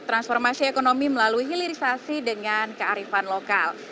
transformasi ekonomi melalui hilirisasi dengan kearifan lokal